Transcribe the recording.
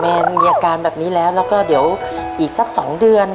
มีอาการแบบนี้แล้วแล้วก็เดี๋ยวอีกสัก๒เดือน